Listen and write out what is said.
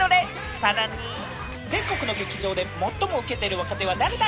さらに、全国の劇場で最もウケてる若手は誰だ？